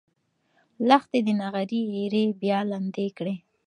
لښتې د نغري ایرې بیا لندې کړې.